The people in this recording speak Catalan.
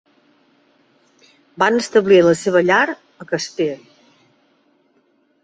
Van establir la seva llar a Casper.